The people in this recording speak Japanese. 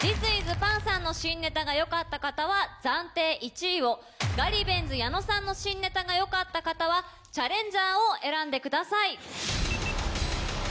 パンさんの新ネタがよかった方は暫定１位をガリベンズ矢野さんの新ネタがよかった方はチャレンジャーを選んでください。